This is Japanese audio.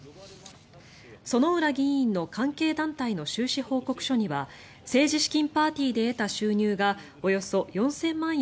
薗浦議員の関係団体の収支報告書には政治資金パーティーで得た収入がおよそ４０００万円